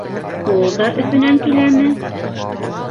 Ул да Өфөнән киләме?